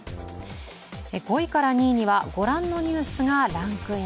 ５位から２位にはご覧のニュースがランクイン。